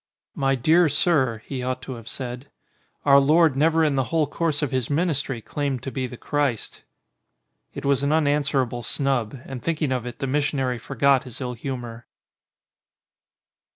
'My dear Sir,' he ought to have said, 'Our Lord never in the whole course of his ministry claimed to be the Christ." It was an unanswerable snub, and thinking of it the missionary forgot his ill humour.